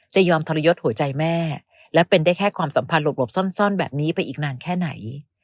ยอมทรยศหัวใจแม่และเป็นได้แค่ความสัมพันธ์หลบซ่อนแบบนี้ไปอีกนานแค่ไหน